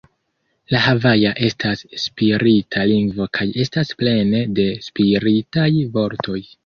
La havaja estas spirita lingvo kaj estas plene de spiritaj vortoj.